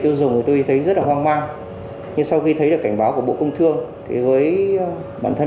tiêu dùng thì tôi thấy rất là hoang mang nhưng sau khi thấy được cảnh báo của bộ công thương thì với bản thân